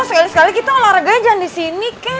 sekali sekali kita olahraganya jangan di sini kek